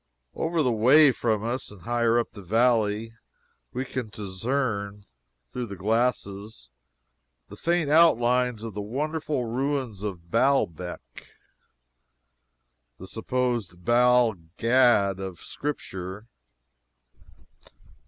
Over the way from us, and higher up the valley, we can discern, through the glasses, the faint outlines of the wonderful ruins of Baalbec, the supposed Baal Gad of Scripture.